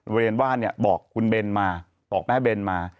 เพราะว่าบอกคุณเบนมาบอกแม่เบนมา